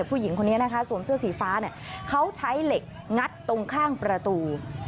ผู้หญิงคนนี้นะคะสวมเสื้อสีฟ้าเขาใช้เหล็กงัดตรงข้างประตู